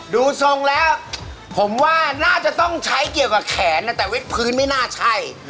ดูทรงแล้วผมว่าน่าจะต้องใช้เกี่ยวกับแขนนะแต่เว็บพื้นไม่น่าใช่